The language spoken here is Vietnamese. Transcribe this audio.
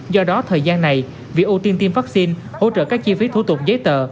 do đó thời gian này việc ưu tiên tiêm vaccine hỗ trợ các chi phí thủ tục giấy tờ